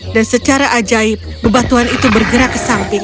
dan secara ajaib bebatuan itu bergerak ke samping